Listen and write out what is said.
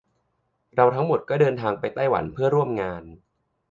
เราทั้งหมดก็เดินทางไปไต้หวันเพื่อร่วมงาน